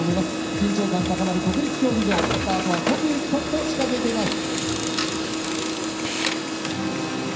緊張感高まる国立競技場、スタートは刻一刻と近づいています。